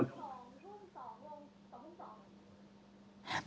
๒ทุ่ม๒วัน๒๒น